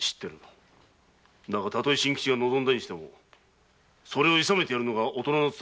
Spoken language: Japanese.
だがたとえ真吉が望んだとしてもそれを諌めてやるのが大人の務めだろう。